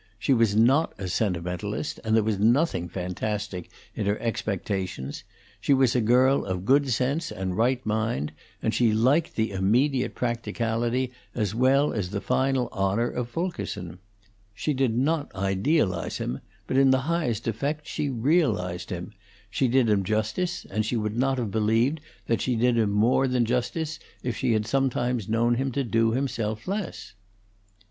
She was not a sentimentalist, and there was nothing fantastic in her expectations; she was a girl of good sense and right mind, and she liked the immediate practicality as well as the final honor of Fulkerson. She did not idealize him, but in the highest effect she realized him; she did him justice, and she would not have believed that she did him more than justice if she had sometimes known him to do himself less.